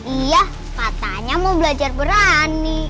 iya katanya mau belajar berani